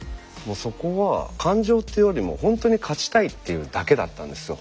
そこは感情というよりも本当に勝ちたいっていうだけだったんですよ。